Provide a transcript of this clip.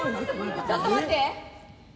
ちょっと待って。